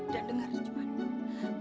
dan dengar juhan